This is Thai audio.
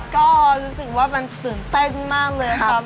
ก็รู้สึกว่ามันตื่นเต้นมากเลยครับ